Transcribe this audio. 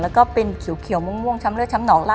แล้วก็เป็นเขียวม่วงช้ำเลือดช้ำหนองละ